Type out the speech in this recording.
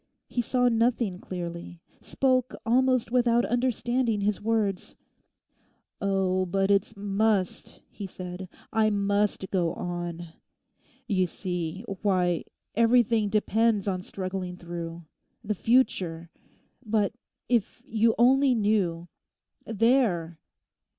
He saw nothing clearly; spoke almost without understanding his words. 'Oh, but it's must,' he said; 'I must go on. You see—why, everything depends on struggling through: the future! But if you only knew—There!